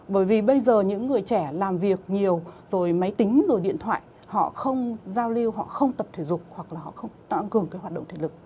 bởi vì bây giờ những người trẻ làm việc nhiều rồi máy tính rồi điện thoại họ không giao lưu họ không tập thể dục hoặc là họ không tăng cường cái hoạt động thể lực